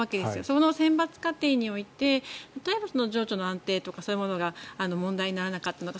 その選抜過程において例えば情緒の安定とかが問題にならなかったのか。